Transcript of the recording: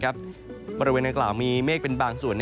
บริเวณนางกล่าวมีเมฆเป็นบางส่วน